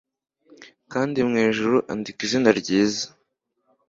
kandi mwijuru andika izina ryiza